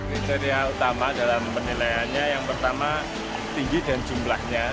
kriteria utama dalam penilaiannya yang pertama tinggi dan jumlahnya